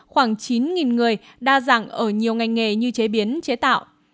khoảng chín người đa dạng ở nhiều ngành nghề như chế biến chế tạo